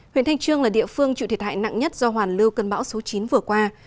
huyện thanh trương là địa phương chịu thiệt hại nặng nhất do hoàn lưu cơn bão số chín vừa qua